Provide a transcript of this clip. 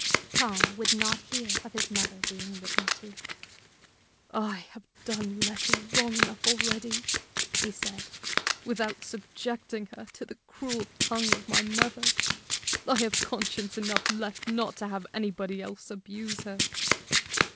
Tom would not hear of his mother being written to. "I have done Letty wrong enough already," he said, "without subjecting her to the cruel tongue of my mother. I have conscience enough left not to have anybody else abuse her."